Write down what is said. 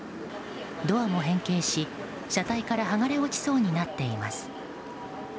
ドアも変形し、車体から剥がれ落ちそうになっています。